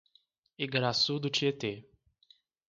Igaraçu do Tietê